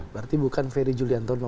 berarti bukan ferry juliantono